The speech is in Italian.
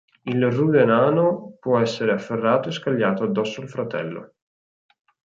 Il Rude nano può essere afferrato e scagliato addosso al fratello.